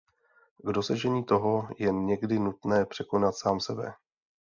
K dosažení toho je někdy nutné překonat sám sebe.